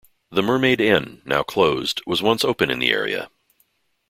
The Mermaid Inn, now closed, was once open in the area.